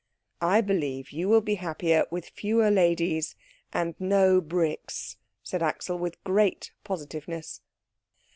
"I believe you will be happier with fewer ladies and no bricks," said Axel with great positiveness.